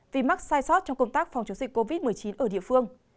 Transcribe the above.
vì mắc sai sót trong công tác phòng chống dịch covid một mươi chín ở địa phương